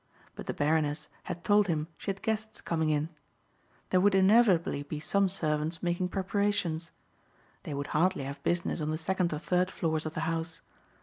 But the Baroness had told him she had guests coming in. There would inevitably be some servants making preparations. They would hardly have business on the second or third floors of the house.